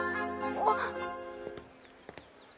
あっ。